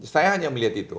saya hanya melihat itu